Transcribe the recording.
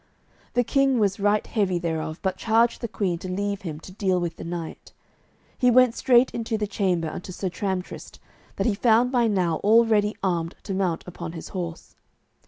The king was right heavy thereof, but charged the queen to leave him to deal with the knight. He went straight into the chamber unto Sir Tramtrist, that he found by now all ready armed to mount upon his horse.